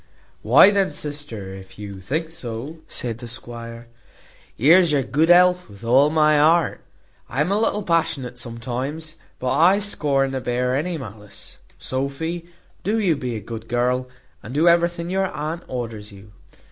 "Why then, sister, if you think so," said the squire, "here's your good health with all my heart. I am a little passionate sometimes, but I scorn to bear any malice. Sophy, do you be a good girl, and do everything your aunt orders you."